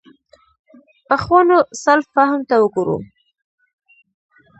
پخوانو سلف فهم ته وګورو.